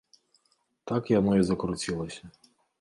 Так яно і закруцілася.